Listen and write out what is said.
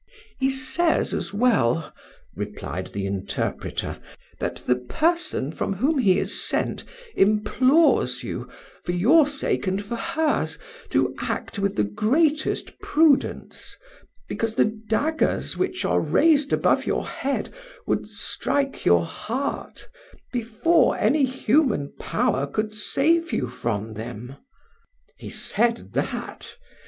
"He says, as well," replied the interpreter, "that the person from whom he is sent implores you, for your sake and for hers, to act with the greatest prudence, because the daggers which are raised above your head would strike your heart before any human power could save you from them." "He said that?